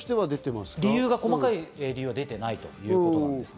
細かい理由は出ていないということです。